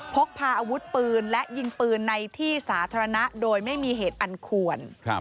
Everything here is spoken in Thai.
พกพาอาวุธปืนและยิงปืนในที่สาธารณะโดยไม่มีเหตุอันควร